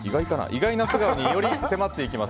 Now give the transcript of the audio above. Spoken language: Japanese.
意外な素顔により迫っていきます